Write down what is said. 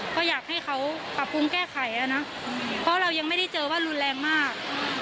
ก็อยากให้เขาปรับปรุงแก้ไขแล้วนะเพราะเรายังไม่ได้เจอว่ารุนแรงมาก